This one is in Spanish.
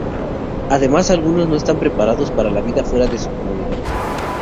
Además, algunos no están preparados para la vida fuera de su comunidad.